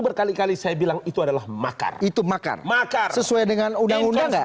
berkali kali saya bilang itu adalah makar itu makar makar sesuai dengan undang undang